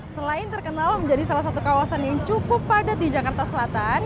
selain terkenal menjadi salah satu kawasan yang cukup padat di jakarta selatan